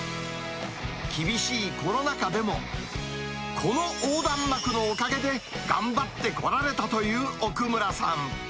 厳しいコロナ禍でも、この横断幕のおかげで頑張ってこられたという奥村さん。